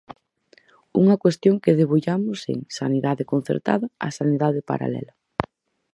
Unha cuestión que debullamos en 'Sanidade concertada, a sanidade paralela'.